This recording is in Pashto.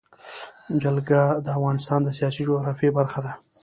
جلګه د افغانستان د سیاسي جغرافیه برخه ده.